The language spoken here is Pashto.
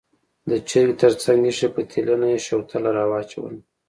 د چرګۍ تر څنګ ایښې پتیلې نه یې شوتله راواچوله.